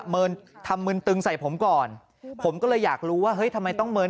เมินทำมืนตึงใส่ผมก่อนผมก็เลยอยากรู้ว่าเฮ้ยทำไมต้องเมิน